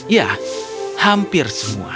ya hampir semua